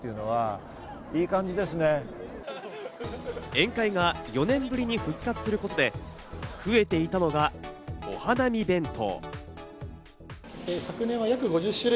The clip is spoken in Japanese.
宴会が４年ぶりに復活することで、増えていたのがお花見弁当。